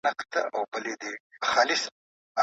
ټول مرغان ستا پر